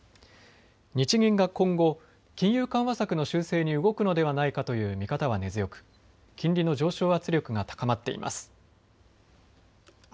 日銀が今後、金融緩和策の修正に動くのではないかという見方は根強く金利の上昇圧力が高まっています。